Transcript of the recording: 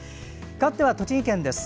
かわっては、栃木県です。